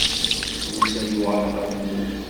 Musa yuɣal ɣer tmurt.